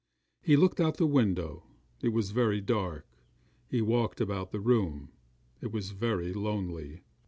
He looked out of the window it was very dark. He walked about the room it was very lonely.